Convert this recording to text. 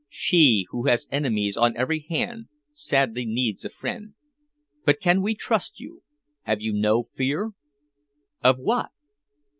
She, who has enemies on every hand, sadly needs a friend. But can we trust you have you no fear?" "Of what?"